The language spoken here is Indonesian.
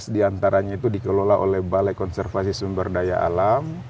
tiga belas diantaranya itu dikelola oleh balai konservasi sumber daya alam